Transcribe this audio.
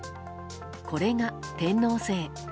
これが、天王星。